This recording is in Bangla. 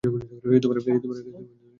হেই, জেনারেল!